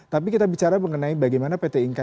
tapi kita bicara mengenai bagaimana pt inka